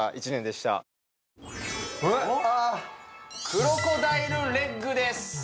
・クロコダイルレッグです